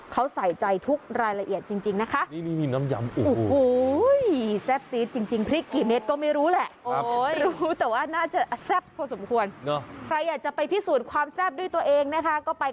เขาใส่ใจทุกรายละเอียดจริงนะคะ